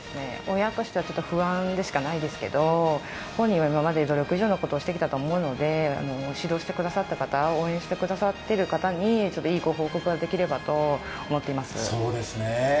親としては不安でしかないですけど、本人は今まで努力以上のことをしてきたと思いますので指導してくださった方、応援してくださった方にいい御報告ができればと思っています。